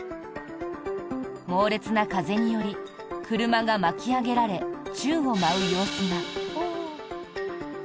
猛烈な風により車が巻き上げられ宙を舞う様子が。